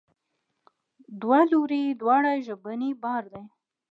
دوه لوري دواړه ژبنی بار لري.